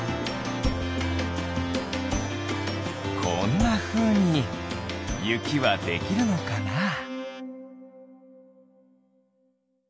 こんなふうにゆきはできるのかな？